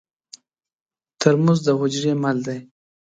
ترموز د حجرې مل دی.